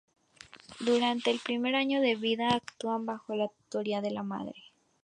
Durante el primer año de vida actúan bajo la tutoría de la madre.